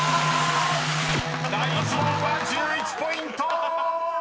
［第１問は１１ポイント！］